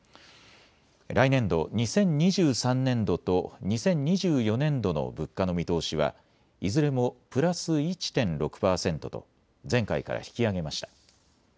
来年度・２０２３年度と２０２４年度の物価の見通しはいずれもプラス１．６％と前回から引き上げました。